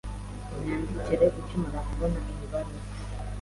Unyandikire ukimara kubona iyi baruwa.